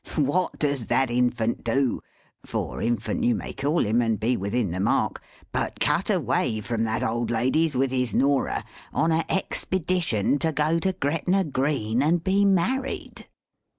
What does that Infant do, for Infant you may call him and be within the mark, but cut away from that old lady's with his Norah, on a expedition to go to Gretna Green and be married!